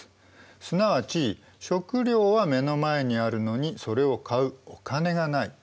すなわち食料は目の前にあるのにそれを買うお金がない。